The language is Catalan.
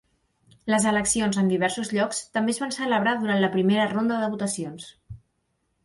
Les eleccions amb diversos llocs també es van celebrar durant la primera ronda de votacions.